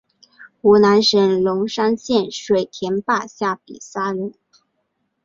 湖南省龙山县水田坝下比寨人。